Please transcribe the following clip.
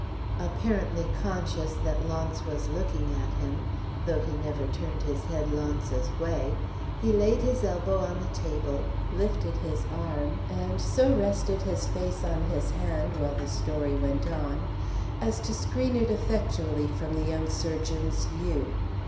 Apparently conscious that Launce was looking at him though he never turned his head Launce's way he laid his elbow on the table, lifted his arm, and so rested his face on his hand, while the story went on, as to screen it effectually from the young surgeon's view.